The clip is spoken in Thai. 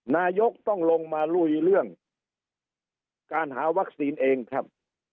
นายกต้องลงมาลุยเรื่องการหาวัคซีนเองครับ